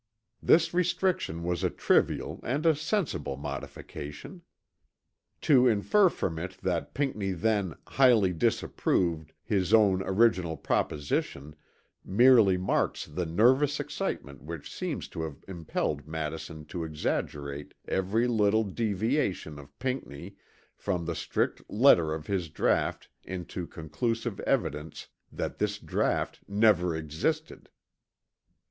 This restriction was a trivial and a sensible modification. To infer from it that Pinckney then "highly disapproved" his own original proposition merely marks the nervous excitement which seems to have impelled Madison to exaggerate every little deviation of Pinckney from the strict letter of his draught into conclusive evidence that this draught never existed.